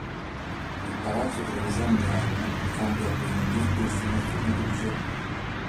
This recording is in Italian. Il Palazzo Trevisan Mion cambia quindi destinazione d'uso.